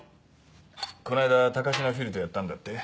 この間高階フィルとやったんだって？